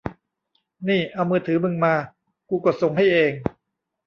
นี่ เอามือถือมึงมา กูกดส่งให้เอง